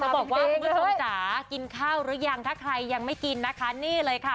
บอกว่าคุณผู้ชมจ๋ากินข้าวหรือยังถ้าใครยังไม่กินนะคะนี่เลยค่ะ